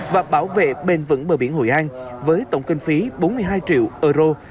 và bảo vệ bền vững bờ biển hội an với tổng kinh phí bốn mươi hai triệu euro